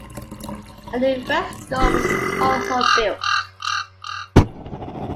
A new west door was also built.